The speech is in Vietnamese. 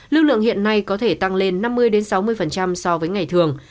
lưu lượng hiện nay có thể tăng lên năm mươi sáu mươi so với ngày thường